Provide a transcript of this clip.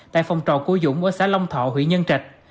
tại phòng trò của dũng ở xã long thọ huyện nhân trạch